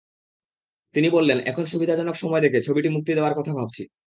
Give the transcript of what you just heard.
তিনি বললেন, এখন সুবিধাজনক সময় দেখে ছবিটি মুক্তি দেওয়ার কথা ভাবছি।